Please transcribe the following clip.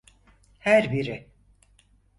Her biri.